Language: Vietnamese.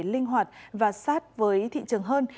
linh hoạt và sát với thị trường hơn